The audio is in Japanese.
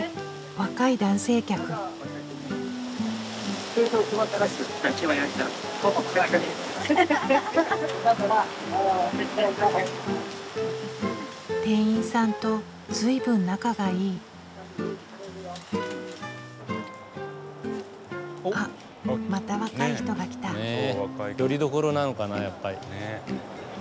若い男性客店員さんと随分仲がいいあっまた若い人が来たよりどころなのかなやっぱり。